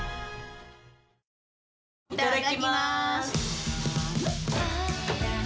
いただきます！